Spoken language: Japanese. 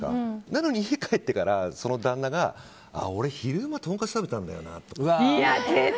なのに家に帰ってからその旦那が俺、昼もとんかつ食べたんだよなって。